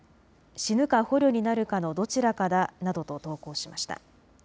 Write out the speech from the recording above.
死ぬか捕虜になるかのどちらかだなどと投稿しました。